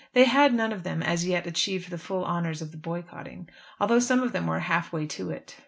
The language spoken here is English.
They had, none of them, as yet achieved the full honours of boycotting, though some of them were half way to it.